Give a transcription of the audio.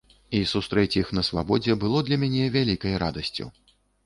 І сустрэць іх на свабодзе было для мяне вялікай радасцю.